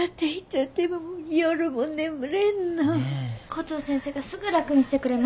コトー先生がすぐ楽にしてくれますからね。